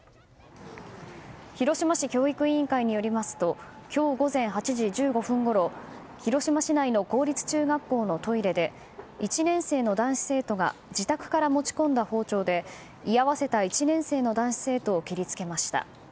広島市教育委員会によりますと今日午前８時１５分ごろ広島市内の公立中学校のトイレで１年生の男子生徒が自宅から持ち込んだ包丁で居合わせた１年生の男子生徒を切り付けました。